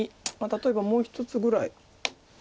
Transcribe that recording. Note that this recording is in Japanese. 例えばもう１つぐらい。